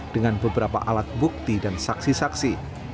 dengan beberapa alat bukti dan saksi saksi